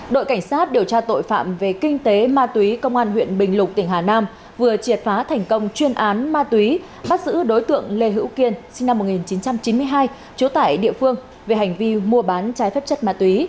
đội cảnh sát điều tra tội phạm về kinh tế ma túy công an huyện bình lục tỉnh hà nam vừa triệt phá thành công chuyên án ma túy bắt giữ đối tượng lê hữu kiên sinh năm một nghìn chín trăm chín mươi hai trú tại địa phương về hành vi mua bán trái phép chất ma túy